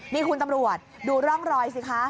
นี่คุณตำรวจดูร่องรอยสิคะ